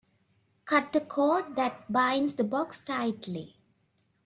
Cut the cord that binds the box tightly.